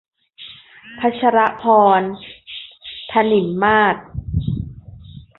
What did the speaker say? พชรภรณ์ ถนิมมาศ